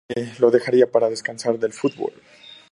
Más tarde lo dejaría para descansar del fútbol.